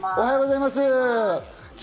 おはようございます。